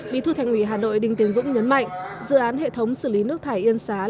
bí thư thành ủy hà nội đinh tiến dũng nhấn mạnh dự án hệ thống xử lý nước thải yên xá